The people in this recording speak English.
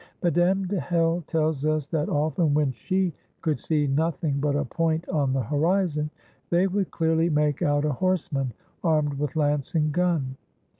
Madame de Hell tells us that often when she could see nothing but a point on the horizon, they would clearly make out a horseman armed with lance and gun.